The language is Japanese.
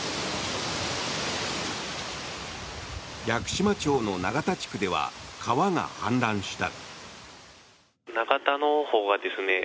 屋久島町の永田地区では川が氾濫した。